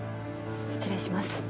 失礼します。